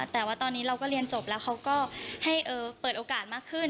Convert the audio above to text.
แต่ว่าตอนนี้เราก็เรียนจบแล้วเขาก็ให้เปิดโอกาสมากขึ้น